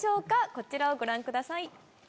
こちらをご覧ください。